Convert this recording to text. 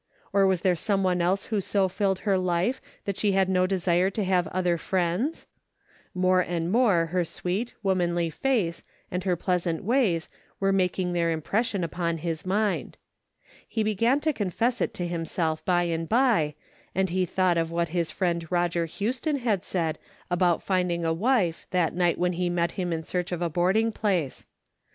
Or was there some one else who so filled her life that she had no desire to have other friends ? More and more her sweet, womanly face, and her pleasant waj^s were making their impres sion upon his mind. He began to confess it to himself by and by, and he thought of what his 304 A DAILY BATE.'^ friend Eoger Houston had said about finding a wife that night he had met him in search of a boarding place.